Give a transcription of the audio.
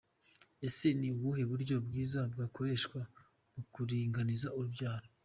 Ese ni ubuhe buryo bwiza bwakoreshwa mu kuringaniza urubyaro?.